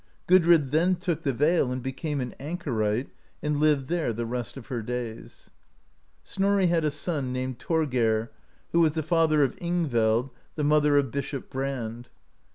Gudrid then took the veil and became an anchorite, and lived there the rest of her days. Snorri had a son, named Thorgeir, who was the father of Ingveld, the mother of Bishop Brand.